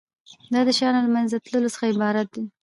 دا د شیانو له منځه تلو څخه عبارت دی.